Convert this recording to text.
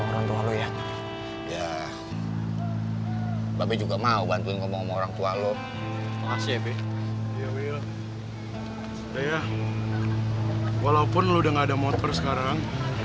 raya walaupun lo udah gak ada motor sekarang